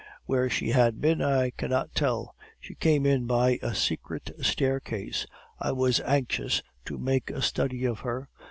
Where she had been I cannot tell; she came in by a secret staircase. I was anxious to make a study of her.